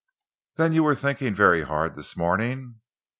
"Then you were thinking very hard this morning?"